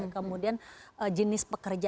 kemudian jenis pekerjaan